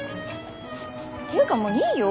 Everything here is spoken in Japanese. っていうかもういいよ